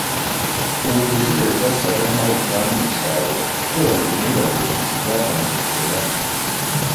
Ubu bujurire bwasaga nkaho butanga umusaruro, kuko babiri muri bagenzi batangiye kureba hano